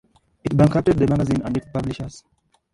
It bankrupted the magazine and its publishers.